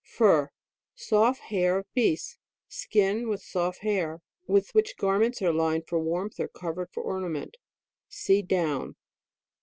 FUR. Soft hair of beasts. Skin with soft hair, with which garments are lined for warmth, or covered for ornament (See DOWN.)